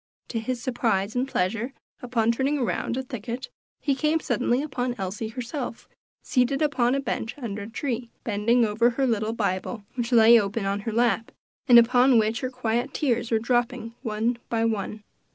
To his surprise and pleasure, upon turning around a thicket, he came suddenly upon Elsie herself, seated upon a bench under a tree, bending over her little Bible, which lay open on her lap, and upon which her quiet tears were dropping, one by one.